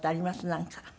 なんか。